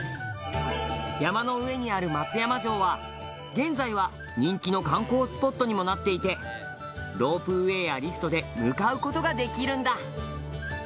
山の上にある松山城は現在は、人気の観光スポットにもなっていてロープウェイやリフトで向かう事ができるんだ宮崎：